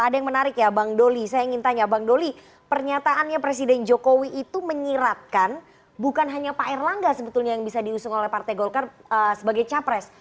ada yang menarik ya bang doli saya ingin tanya bang doli pernyataannya presiden jokowi itu menyiratkan bukan hanya pak erlangga sebetulnya yang bisa diusung oleh partai golkar sebagai capres